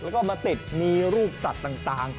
แล้วก็มาติดมีรูปสัตว์ต่าง